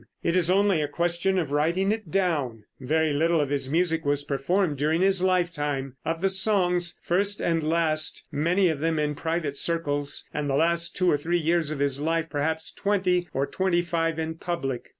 It is only a question of writing it down. Very little of his music was performed during his lifetime of the songs, first and last, many of them in private circles, and the last two or three years of his life, perhaps twenty or twenty five in public.